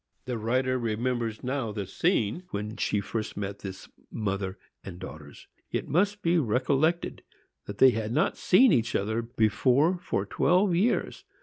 The writer remembers now the scene when she first met this mother and daughters. It must be recollected that they had not seen each other before for four years.